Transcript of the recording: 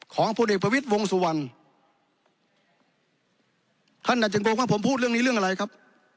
พลเอกประวิทย์วงสุวรรณท่านอาจจะงงว่าผมพูดเรื่องนี้เรื่องอะไรครับ